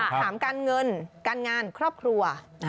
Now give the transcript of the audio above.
ถามการเงินการงานครอบครัว